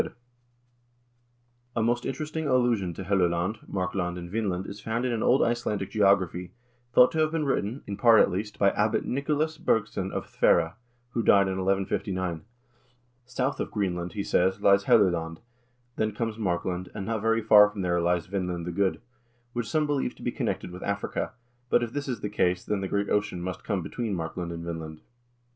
AMERICA DISCOVERED BY THE NORSEMEN 207 A most interesting allusion to Helluland, Markland, and Vinland is found in an old Icelandic geography, thought to have been written, in part at least, by Abbot Nikulas Bergsson of Thvera, who died in 1159. "South of Greenland," he says, "lies Helluland, then comes Markland, and not very far from there lies Vinland the Good, which some believe to be connected with Africa ; but if this is the case, then the great ocean must come between Markland and Vinland.